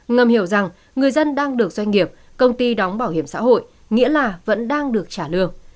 ngầm hiểu rằng người dân đang được doanh nghiệp công ty đóng bảo hiểm xã hội nghĩa là vẫn đang được trả lương